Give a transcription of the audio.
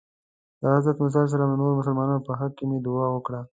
د حضرت موسی او نورو مسلمانانو په حق کې مې دعا وکړه.